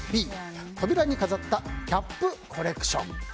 Ｂ、扉に飾ったキャップコレクション。